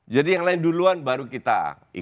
jadi yang lain duluan baru kita ikutan